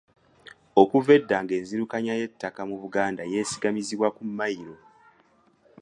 Okuva edda nga enzirukanya y'ettaka mu Buganda yeesigamizibwa ku mmayiro.